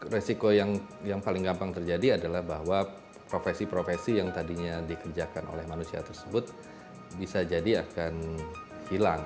resiko yang paling gampang terjadi adalah bahwa profesi profesi yang tadinya dikerjakan oleh manusia tersebut bisa jadi akan hilang